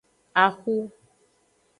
Axu.